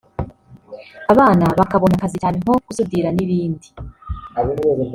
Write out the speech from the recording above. abana bakabona akazi cyane nko gusudira n’ibindi”